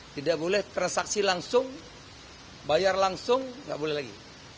tidak boleh transaksi langsung bayar langsung tidak boleh lagi